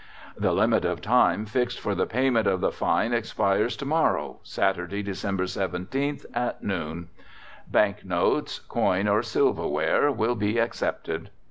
"The limit of time fixed for the payment of the fine expires tomorrow, Saturday, December 17th, at noon. "Bank Notes, Coin, or Silverware will be accepted."